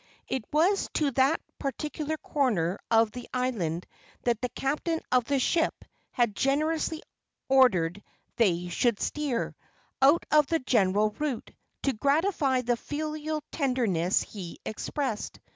It was to that particular corner of the island that the captain of the ship had generously ordered they should steer, out of the general route, to gratify the filial tenderness he expressed.